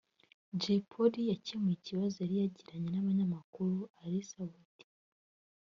Jay Polly yakemuye ikibazo yari yagiranye n’abanyamakuru Ally Soudy